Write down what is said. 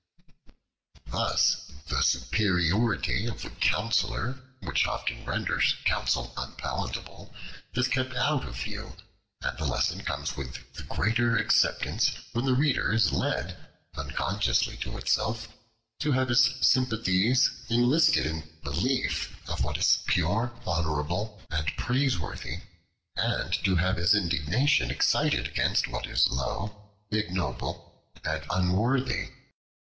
Thus the superiority of the counsellor, which often renders counsel unpalatable, is kept out of view, and the lesson comes with the greater acceptance when the reader is led, unconsciously to himself, to have his sympathies enlisted in behalf of what is pure, honorable, and praiseworthy, and to have his indignation excited against what is low, ignoble, and unworthy.